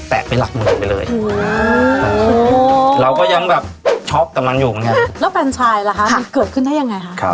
แล้วเป็นไฟน์ชายละค่ะเกิดขึ้นให้ยังไงฮะ